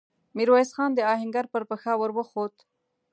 ميرويس خان د آهنګر پر پښه ور وخووت.